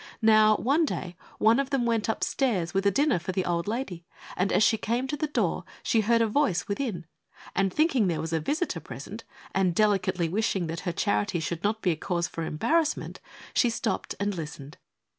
Now, one day one of them went upstairs with a dinner for the old lady, and as she came to the door, she heard a voice within, and thinking there was a visitor present, and delicately wishing that her charity should not be a cause of embarrassment, she stopped and listened.